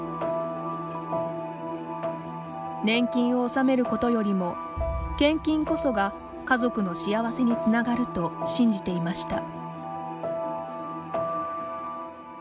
年金を納めることよりも献金こそが家族の幸せにつながると信じていました。